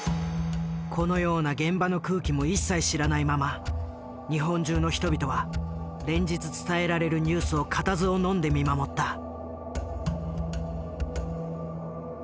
このような現場の空気も一切知らないまま日本中の人々は連日伝えられるニュースを固唾をのんで見守った。